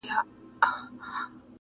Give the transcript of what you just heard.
له وطنه څخه لیري مساپر مه وژنې خدایه٫